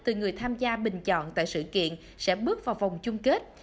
từ người tham gia bình chọn tại sự kiện sẽ bước vào vòng chung kết